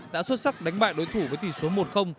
đã xuất sắc đánh bại đối thủ với tỷ số một